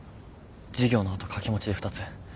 授業の後掛け持ちで２つ。